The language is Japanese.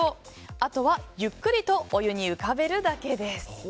あとは、ゆっくりとお湯に浮かべるだけです。